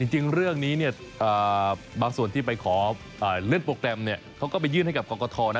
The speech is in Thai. จริงเรื่องนี้เนี่ยบางส่วนที่ไปขอเลื่อนโปรแกรมเขาก็ไปยื่นให้กับกรกฐนะ